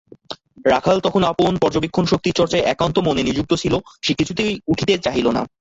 রাখাল তখন আপন পর্যবেক্ষণশক্তির চর্চায় একান্তমনে নিযুক্ত ছিল, সে কিছুতেই উঠিতে চাহিল না।